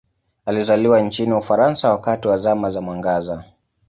Alizaliwa nchini Ufaransa wakati wa Zama za Mwangaza.